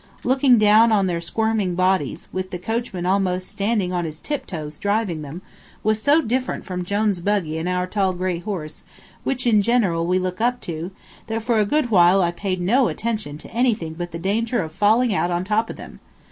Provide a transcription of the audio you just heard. Looking down on their squirming bodies, with the coachman almost standing on his tiptoes driving them, was so different from Jone's buggy and our tall gray horse, which in general we look up to, that for a good while I paid no attention to anything but the danger of falling out on top of them.